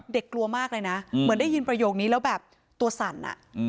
กลัวมากเลยนะเหมือนได้ยินประโยคนี้แล้วแบบตัวสั่น